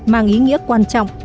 mang ý nghĩa quan trọng